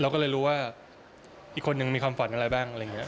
เราก็เลยรู้ว่าอีกคนยังมีความฝันอะไรบ้าง